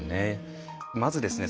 まずですね